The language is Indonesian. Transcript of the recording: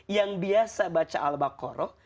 yang biasa baca al baqarah